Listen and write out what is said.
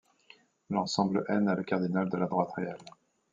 L'ensemble N a le cardinal de la droite réelle.